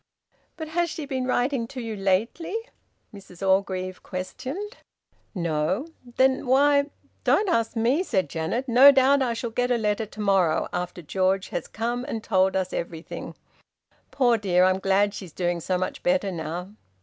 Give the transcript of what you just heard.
"But has she been writing to you lately?" Mrs Orgreave questioned. "No." "Then why " "Don't ask me!" said Janet. "No doubt I shall get a letter to morrow, after George has come and told us everything! Poor dear, I'm glad she's doing so much better now."